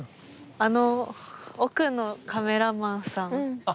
あの奥のカメラマンさんの。